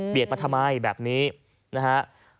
เบียดมาทำไมแบบนี้นะฮะ